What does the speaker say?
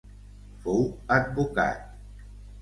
Fou advocat.